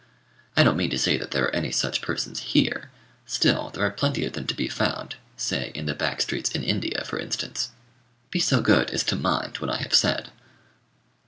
I don't mean to say that there are any such persons here; still there are plenty of them to be found say in the back streets in India, for instance. Be so good as to mind what I have said.